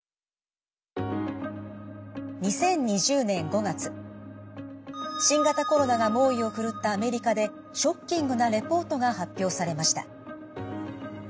２０２０年５月新型コロナが猛威を振るったアメリカでショッキングなレポートが発表されました。